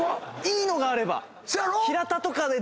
いいのがあれば。